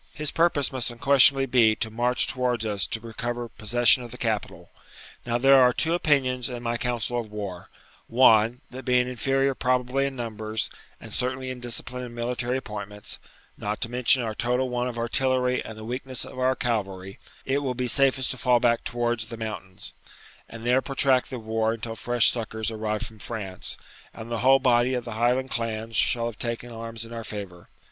His purpose must unquestionably be to march towards us to recover possession of the capital. Now there are two opinions in my council of war: one, that being inferior probably in numbers, and certainly in discipline and military appointments, not to mention our total want of artillery and the weakness of our cavalry, it will be safest to fall back towards the mountains, and there protract the war until fresh succours arrive from France, and the whole body of the Highland clans shall have taken arms in our favour.